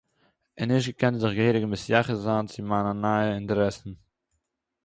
און נישט געקענט זיך געהעריג מתייחס זיין צו מיינע נייע אינטערעסן